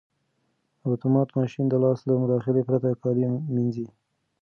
دا اتومات ماشین د لاس له مداخلې پرته کالي مینځي.